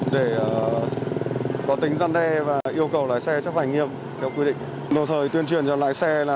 để có tính gian đe và yêu cầu lái xe chấp hành nghiêm theo quy định đồng thời tuyên truyền cho lái xe là